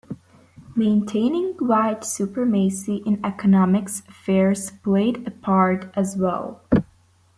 Maintaining white supremacy in economic affairs played a part as well.